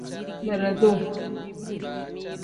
Beredu.